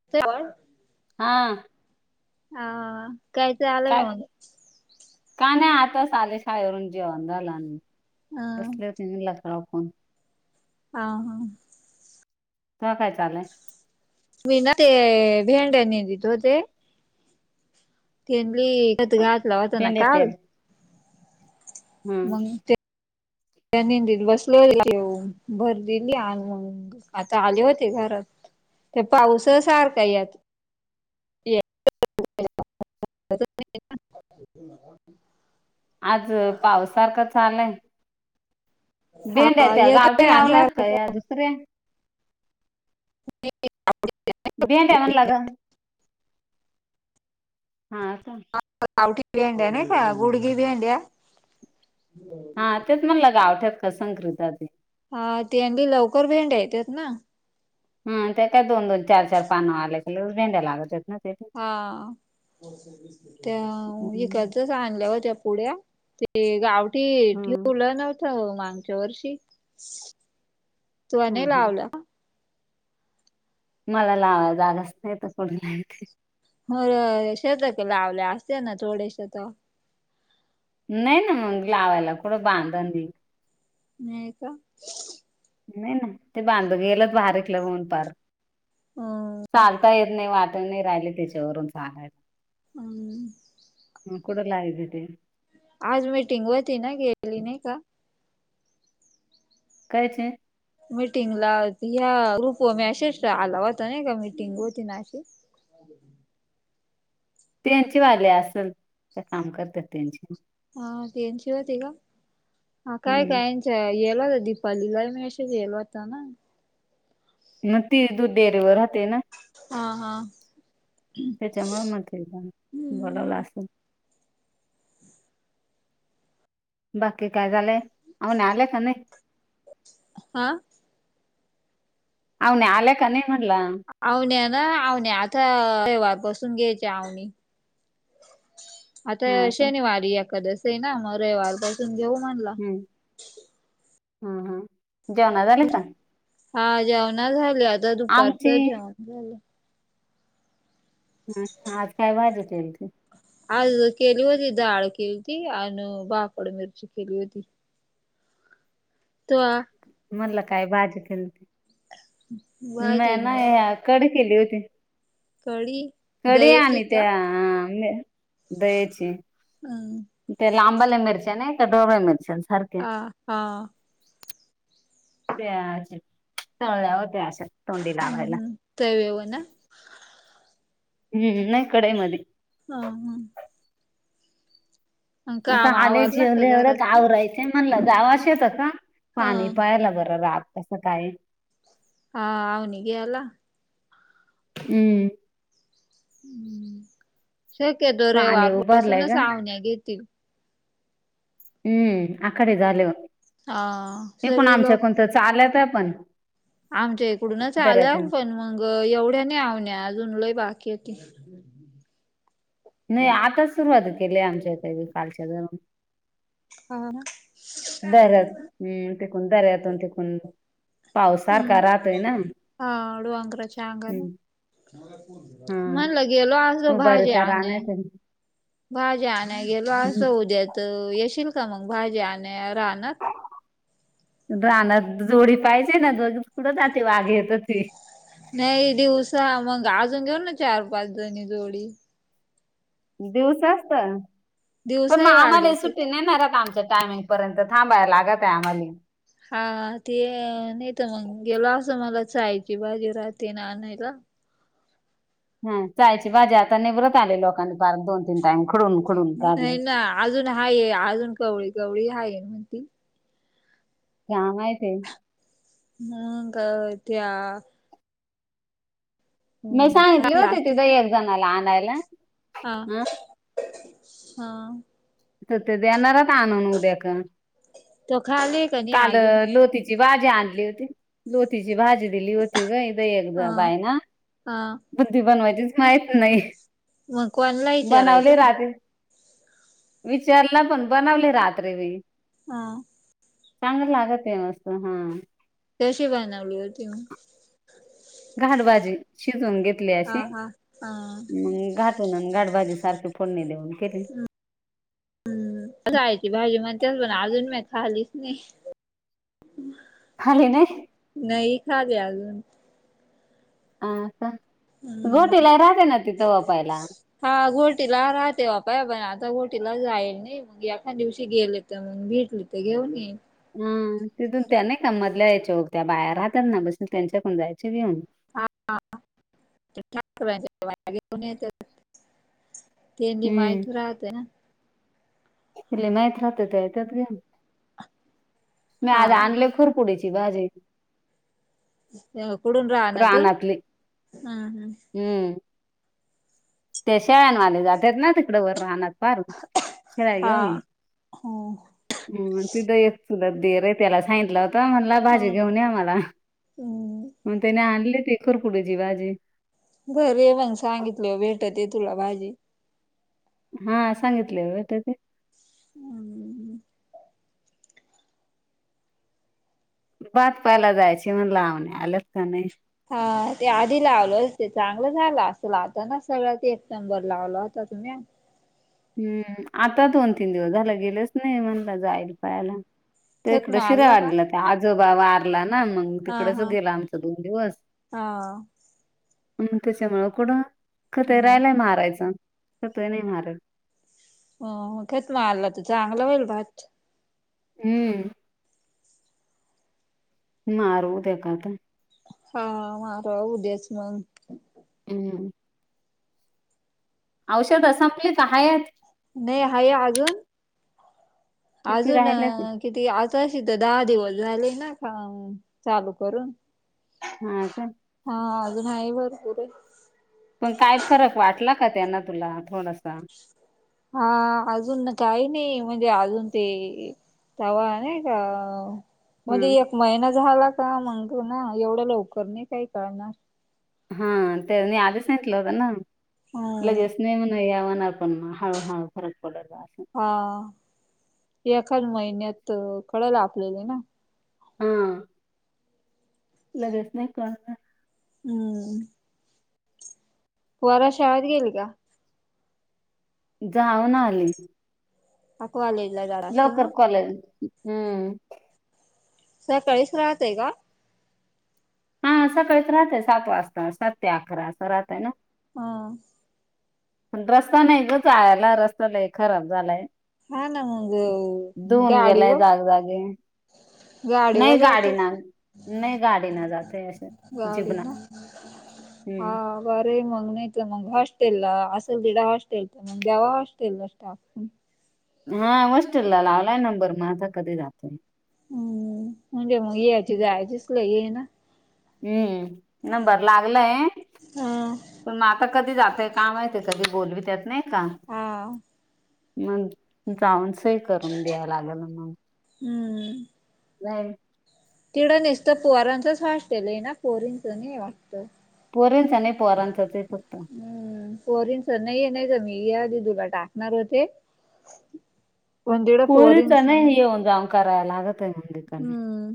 [unintelligible] हा. हा काय चालू हाय मग? काय नाही आताच आले शाळेवरून जेवण झाल अन ह बसले होते म्हणल कराव फोन. हा हा. तुवा काय चालाय? मी ना ते भेंड्यानी दित होते. तेनली नत घातला होता ना भेंड्या काल. पेर हम्म मंग ते ते निंदिल बसले [unintelligible] भर दिली आण मंग आता आले होते घरात. ते पाऊसा सारखाय यात. [unintelligible] आज पावसारखं चालय. हा भेंड्या त्या येतोय गावठी आणि लावल्यात का सारखा या दुसऱ्या? भेंड्या म्हणलं गं. हा तुम आ-आवटी भेंड्या नाही का गुडगी भेंडया. हा तेच म्हणलं गावठ्यात कसंकृता ते. हां त्यानबी लवकर भेंड्या येतात ना? हम्म, त्या त्या दोन दोन चार चार पानं आल्या [unintelligible] भेंड्या लागत आहेत ना. ते हां, त्या हम्म इकाचं चांगल्या होत्या पुड्या, ते गावठी हा ठिवल नव्हतं मंग चर्शी त्वा नाही हा लावला का? मला लावाय जागाच नाही तर कुठे लाविते? म्होरं शेजारच्या लावल्या असत्याना थोडेसे शेता नाही ना लावायला कुठक बांधन. नाही का? नाही ना, ते बांधू गेलत भारीतल होऊन पार, हम्म चालता येत नाही वाट ते नाही राहिले त्याच्यावरून [unintelligible] अंम्म मग कुठ लागीते ते? आज मीटिंग होती ना, गेली नाही का? कायचे? मिटिंगला ह्या ग्रुपवर मेसेज आला होता नाही का मिटिंग होती ना अशी? [inaudible] तेंचि वाली आसल, त्या काम करतात त्यांची. आं त्यांची होती का? हा काय हम्म कायांनच्या येला दित पल्लिला ह्यो मेसेज गेला होता ना? मग ती दूध डेअरीवर राहते ना. हां हां. त्याच्यामुळ म्हटलंय गाण, बोलावलं हम्म आसल. बाकी काय झालंय, आऊन आलेय का नाही? हां. आहो नाय, आल्या का नाही म्हटलं? आवण्या ना आवण्या आता रविवारपासून घ्यायच्या आवनी. आता हा का शनिवारी एकादशी आहे ना, मग रविवारपासून घेऊ म्हणला. हम्म जेवणा झाले का? हा जेवणा झाले, आता आमची दुपारचं जेवण झालं. हं, आज काय भाजी केलती? आज केली होती डाळ केलती आन भाकड मिर्ची केली होती. त्वा. मला काय भाजी केलती? नाय भाजी नाय कढी केली होती. कडी कडी दह्याची आणि का त्या दह्याची. अं त्या लांबल्या मिरच्या नाही का ढोबळ्या मिरच्यान सारख्या. आं, हां. त्या तळल्या होत्या अशा तोंडी लावायला. हम्म तव्यावर ना? हम्म, नाही कढईमध्ये. हां हां. आता काम आले आवरला का जेवले एवढ्यात घरातलं आवरय ते म्हणलं जावावं शेतात का, हा पाणी पाहायला बरं रात तसं काय. [unintelligible] हम्म. हम्म शक्यतो पाणी रविवार उभारलंय पाासूनच का आवण्या घेतील. हम्म आखाडी झाले हा वर पण सगळी आमच्या लोक कोणच चालत आहे पण आमच्या इकडूनच आलं दऱ्यातून पण मग एवढ्या नाही आवण्या अजून लई बाकी य त. नाही आताच सुरुवात केली आमच्या कालच्या दर हा. दरत हम्म तिकण दरयतोण तिक हम्म ना हा डोंगराच्या आकार हम्म हा म्हणलं गेलो असतो भाजी उभारीचा आणाय. राहण्यात भाज्या आणायला गेलो असं उद्या तर येशील का मग भाजी आणय राहणार रानात जोडी पाहिजे ना दोघेच कुठ वाघ येत ती नाही दिवसा मग अजून घेऊ ना चार पाच जणी जोडी दिवसचत पण मग दिवसाही वाघ आम्हाला येते सुट्टी का? नाही ना रात आमच्या टायमिंग पर्यंत थांबायला लागत आहे आम्हाला. हा ते नाही तर मग गेलो असं मला चायची बाजी राहते ना आणायला. हा चायची बाजी आता निवरत आले लोकांनी पार दोन तीन टाईम खुडून खडून काढले. नाही ना अजून हाय आहे अजून कवळी कवळी हाय आहे म्हणत. काम आहे ते. ह का त्या मी हम्म सांगितली हा होती तिथं एक जणाला आणायला. हा हं हा. तर ते देणारच आणून उद्या का तो खाली का नाही काल अजून लोती भाजी आणली होती लोतीची भाजी दिली होती ग हा एकदा बाय ना हा. बुद्धी बनवायचीच माहित नाही मग कोणला बनवले विचारायचं ना राहते. विचारला पण बनवली रात्री मी. हा. चांगलं लागत आहे मस्त हा. कशी बनवली होती म. घाटबाजी शिजून घेतली हा अशी हा हा घाट गाठबाजी सारखी फोडणी देऊन केली. यची भाजी म्हणतेच पण अजून म्या खालीच नाही. खाल्ली नाही. नाही खाले अजून. ह हम्म गोटीला राजे ना तिथं वापायला. हा घोटीला राहते बापाय पण आता घोटीला जाईल नाही मग एखा दिवशी गेले. मग भेटली तर घेऊन ये. ह तिथून त्या नाही का मधल्या यायच्या ग त्या बाहेर राहतात ना बस त्यांच्याकडून जायचे घेऊन. ठकरच्या घेऊन येत तेी हम्म माहती राहते ना. त माहत राहते ते त्यात घे मी आज हा आणले खुर पुडीची भाजी. खुडून रानातून रानातली हम्म हम्म. हम्म. ते शेळनवाले जातेत ना तिकडें वर राहना पारून. चाय हा घेऊन. हो हूं तिद एक चुलत दीर ये त्याला सांगितला होता म्हणला भाजी घेऊन यां मला हम्म मग त्याने आणले ती खुरकूडयाची भाजी घरी आहे मंग सांगितल्यावर भेटते तुला भाजी हा सांगितल्यावर भेटते. हम्म भात पायला जायची म्हण लावणी आल्यात का नाय? हा ते आधी लावलं होत ते चांगलं झालं असंल आता ना सगळ ते एक नंबर लावला होता तुम्ही हम्म आता दोन तीन दिवस झाल गेलेच नाही म्हणल जाईल पहायला. त्या खत इकड शिराळ मारला का आळीला त्या आजोबा वारला ना मंग मंग हा तिकडच हा गेला आमच दोन दिवस हा मंग त्याच्यामुंळ कुडं खत ही हम्म राहालाय मारायच खत ही नाय मारिल. हो थेत मारला त चांगला होईल भात हम्म मारू उदया खत हा मारा उदयाच मंग हम्म औषध संपली का हायत. ने हाये अजून, किती अजून राहिल्या ते किती आता शी त दहा दिवस झाले ना काम चालू करून. हा काय हा अजून हाये भरपूरये. पण काय फरक वाटला का त्यांन तुला थोडासा हा अजून काही नही, म्हणजे अजून ते तवा नई का म्हणजे हम्म एक महिना झाला का मंग ते ना एवढं लवकर नाय काही कळणार हा त्यानी आधीच सांगितलं होत हम्म लगेच नाय म्हणून नाय हे व्हणार पण हळु हळु फरक पडल आस हा एकच महिन्यात कळल आपल्याली ना हा लगेच नाही कळणार हम्म पोरं शाळेत गेली का? जाऊन आली. तो कॉलेजला जात असेल लवकर ना कॉले हम्म सकाळीच राहतय का? हा सकाळीच राहतय सात वाजता सात ते अकरा असं राहतय ना हा पण रस्ता नाही ग जायाला रस्ता लय खराब झालाय. हा ना मग धुऊन गेलाय गाडीवर जाग जागी गाडीवर नाई गाडी जातात ना नाई गाडी न जातय असं गाडी जीभन हम्म बरय मंग नाहीेत मग हॉस्टेल असल दिडा हॉस्टेल तर मंग दयावा हॉस्टेलाच टाकून हा हॉस्टेल ला लावलाय नंबर म आता कधी जातोय हम्म म्हणजे मग यायची जायचीच लय हे हाय ना हम्म. नंबर लागलय हा पण मग आता कधी जातय काय माहित कधी बोलवीत्यात नाही का मग जाऊन सही करून द्याया लागेल ना मग हम्म नाही तिडं नेसतं पोरांचंच होस्टेल आहे ना पोरींचं नाही वाटतं. पोरीच नाही पोरांचच फक्त हम्म पोरींच नाहीे नाही का या यादी तुला टाकणार होते. पण तिकडं पोरींच ना नाही येऊन जाऊ करायला लागत आहे मग तिकडनं हम्म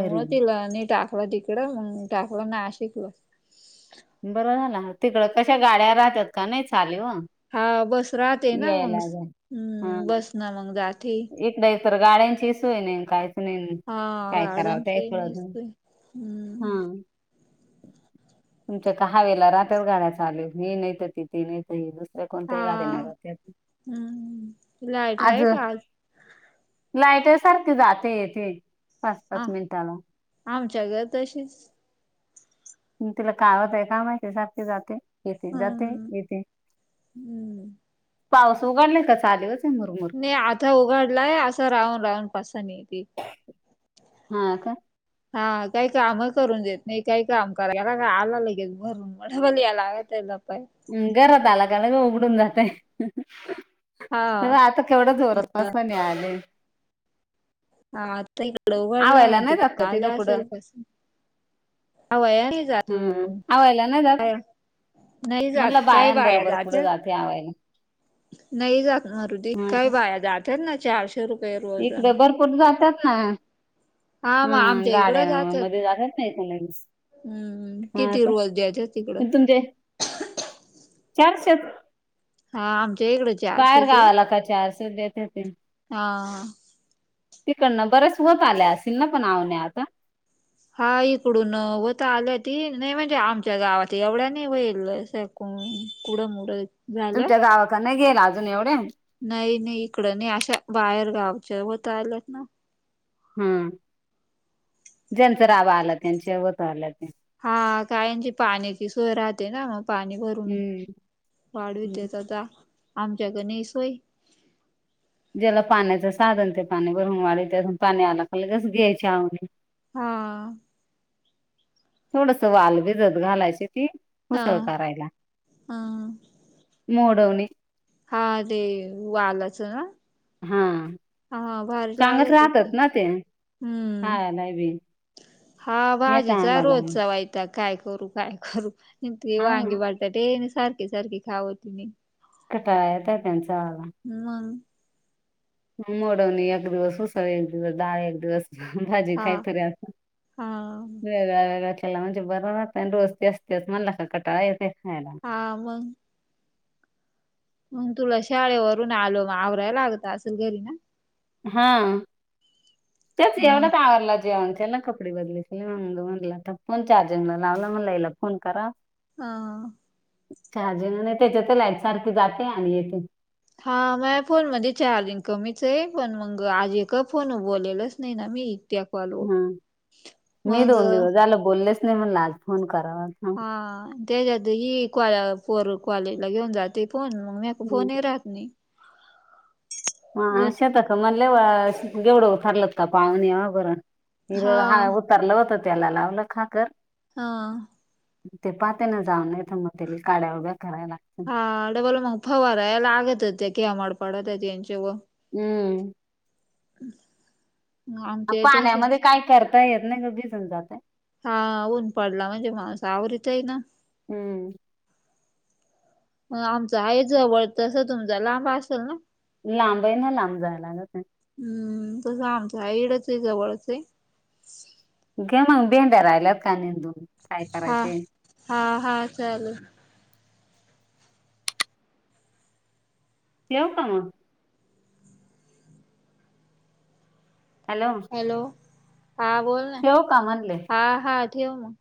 घरी तिला आणि टाकलं तिकडं मग टाकलं नाशिकलं. बरं झालं तिकडं कशा गाड्या राहतात का नाही चालीवन हा बस राहते ना मग हम्म बस न मग जाते. एक नाही तर गाड्यांची सोय नाय काय. नाही हा काय कराव काही गाड्यांची कळत नाही नेसतोय हा. हम्म तुमच्या कहावेला रात्र गाड्या चालू आहेत हे नाही तर ती. ती नाहीे तर ही दुसऱ्या हा कोणत्याही गाडी नेत्यात. हम्म लाईट आज आहे का लाईट सारखी जाते येते पाच पाच मिनिटान आमच्या घर तशीच तिला काय होतंय काय माहिती सारखी जाते येते जाते हम्म येते. हम्म पाऊस उघडला का चालू अजून मुरमुर नाही आता उघाडलाय असं राहून राहून पासन येते हा का. हा काही काम करून देत नाही काही काम करा हे बघा आला लगेच धरून [unintelligible] घरात आला दरवाजा उघडून जातय, हा हे बघ आता केवढं जोरत अस न्यायलय हा आता इकडे उघडलाय आवायला मग नाही जात तिकडे का तिला आलं कुठं असेल पासून. हवया नाही जातू हम्म आवायला नाही जात का. नाही जात काय बाया जात त्या [unintelligible] नाही जात मारुदी काय वाया जातात ना चारशे रुपये इकडे रोजानं भरपूर जातात ना मग हा आमच्या गाड्या मध्ये जातच नाही ना इथून हम्म हम्म हा किती का रोज द्यायच्यां तिकडं? चारशे हा आमच्या इकडेच बाहेर गावाला का चारशे देतेतील हा. तिकडनं बऱ्याच होत आल्या असतील ना पण आवण्या आता. हा इकडून होत आल्या ती नाही म्हणजे आमच्या गावात एवढ्या नाही होईल हो कुडमुड तुमच्या गावाकडन गेल अजून एवढे नाही नाही इकडं नाही अशा बाहेरगावच्या हो तर आल्यात ना हम्म ज्यांचा रावा आला त्यांच्या होत आल्याती हा काहींची पाण्याची सोय राहते ना पाणी भर हम्म वाढवीतेचा आमच्याकणी सोय. ज्याला पाण्याच साधन ते पाणी भरून वाडीत्या पाणी आला का लगेच घ्यायच आव हा. थोडस वाल भिजत घालायची ती हा ऊसळ करायला. हा मोडऊनी. हा ते वालाच ना. हा हा भारी चांगत लागत ते राहतात ना ते हम्म. खायला बी हा येत भाजीचा आम्हाला रोजचा वयताग काय करू काय करू. ते हा वांगी बटाटे सारखे सारखे खावती नई. कटाया येत त्यांचावाला. मगं. म मोडऊणी एक दिवस उसळ, एक दिवस दाळ, एक दिवस भाजी हा काहीतरी आता हा वेगळ्या वेगळ्या केला म्हणजे बर राहते आण रोज तेच तेच म्हणाला का कटाया येतोय खायला. हां मंग. मग तुला शाळेवरून आलो म आवराया लागतं असेलं घरी ना. हां तेच मग एवढं मग का आवरल जेवण केलं का कपडे बदली म म्हणल आता फोन चार्जिंगला लावला म्हणल ईला फोन कराव अं. चार्जिंग नाई त्याच्यातई लाईट सारखी जाते आणि येते. हा माया फोन मध्ये चार्जिंग कमीचंय पण, मगं आज एकही फोन वर बोलेलच नाही नां मी. त्या कॉलवर हम्म मी दोन मग दिवस झालं बोललेचं नाही म्हणल आज फोन करावा. थांब. हां त्याच्यात ही कॉल पोर कॉलेज ला घेऊन जाते फोन म्या हम्म. फोनं राहत नाही. हा मग शेताकड मणल अ घेवड वफारलत का पाहण यावा बर. हित हा उतारलं होत त्याला लावलं खाकर. हां. ते पाहतेन जाऊन नाई त मगं ते लई काड्या उगच कराया लाग हां डबल मग फवाराया लागत होते किंवा म मडपड होते त्याच्या व हम्म. [inaudible] अ पाण्यामध्ये तसच कायं करता येत नाही गं भिजून जातय. हा ऊन पडला म्हणजे म आवीरतय न. हम्म. हम्म आमचा हाय जवळ तसं तुमचा लांब असेल न? लांबय नां लांब जाय लागतं. हम्म तसं आमचं हाय इठंच आहे हे जवळचय - घ्या मग भेंड्या राहिल्यात कां निंदून? काय हां करायचे हां हां चाललं. ठेवूं का मगं. हॅलों. हॅलो हा बोल नां का म्हणले? हां हां ठेव मंग.